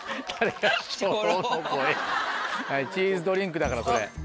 チーズドリンクだからそれ。